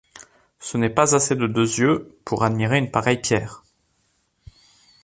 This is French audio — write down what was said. Ce n’est pas assez de deux yeux pour admirer une pareille pierre !